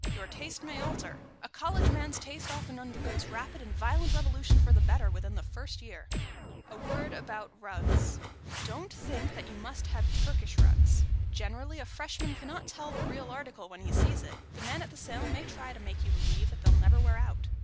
Your taste may alter. A College man's taste often undergoes rapid and violent revolution for the better, within the first year. [Sidenote: A WORD ABOUT RUGS] Don't think that you must have Turkish rugs. Generally, a Freshman cannot tell the real article when he sees it. The man at the sale may try to make you believe they'll never wear out.